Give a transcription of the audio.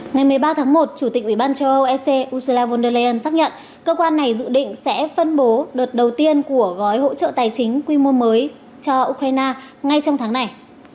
ngày một mươi ba tháng một chủ tịch ủy ban châu âu ec ursula von der leyen xác nhận cơ quan này dự định sẽ phân bố đợt đầu tiên của gói hỗ trợ tài chính quy mô mới cho ukraine ngay trong tháng này